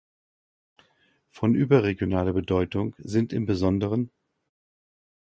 Von überregionaler Bedeutung sind im Besonderen